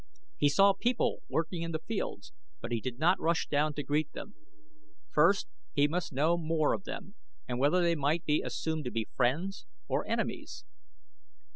He saw people working in the fields, but he did not rush down to greet them. First he must know more of them and whether they might be assumed to be friends or enemies.